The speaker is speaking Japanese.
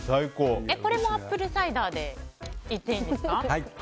これもアップルサイダーでいっていいんですか？